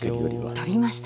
取りました。